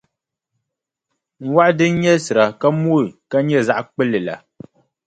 N wɔɣu din nyɛlisira ka mooi ka nyɛ zaɣʼ kpulli la.